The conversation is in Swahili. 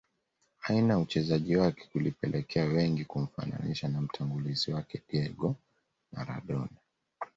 Aina ya uchezaji wake kulipelekea wengi kumfananisha na mtangulizi wake Diego Maradona